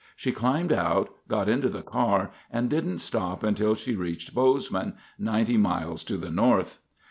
She climbed out, got into the car, and didn't stop until she reached Bozeman, 90 miles to the north.